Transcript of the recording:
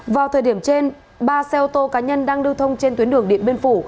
vào thời điểm trên ba xe ô tô cá nhân đang lưu thông trên tuyến đường điện biên phủ